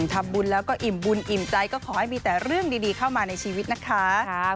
ทำบุญแล้วก็อิ่มบุญอิ่มใจก็ขอให้มีแต่เรื่องดีเข้ามาในชีวิตนะคะ